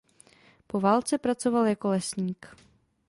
Po válce pracoval jako lesník.